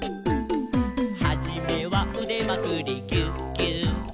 「はじめはうでまくりギューギュー」